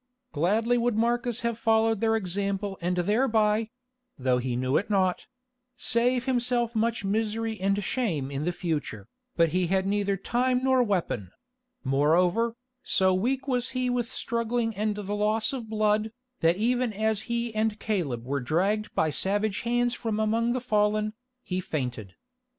Gladly would Marcus have followed their example and thereby—though he knew it not—save himself much misery and shame in the future, but he had neither time nor weapon; moreover, so weak was he with struggling and the loss of blood, that even as he and Caleb were dragged by savage hands from among the fallen, he fainted.